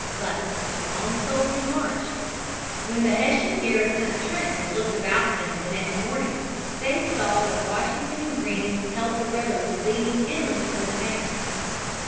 But on the soldiers marched. When the Hessian garrison at Trenton looked about them next morning they saw that Washington and Greene held the roads leading inland from the town.